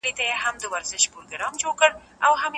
میرمن باید زغم کم نه کړي.